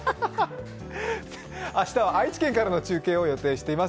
明日は愛知県からの中継を予定しています。